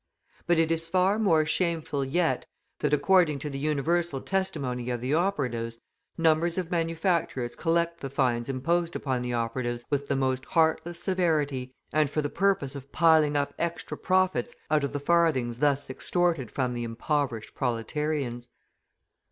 But it is far more shameful yet, that according to the universal testimony of the operatives, numbers of manufacturers collect the fines imposed upon the operatives with the most heartless severity, and for the purpose of piling up extra profits out of the farthings thus extorted from the impoverished proletarians.